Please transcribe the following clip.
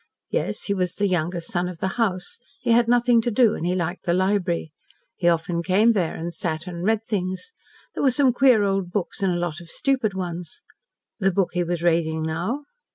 Yes, he was the youngest son of the house. He had nothing to do, and he liked the library. He often came there and sat and read things. There were some queer old books and a lot of stupid ones. The book he was reading now?